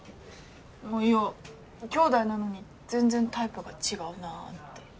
いや兄弟なのに全然タイプが違うなって。